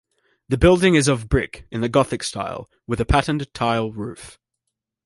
The building is of brick, in the gothic style, with a patterned tiled roof.